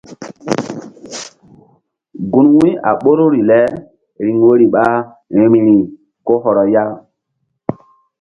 Gun wu̧y a ɓoruri le riŋ woyri ɓa vbi̧ri ko hɔrɔ ya.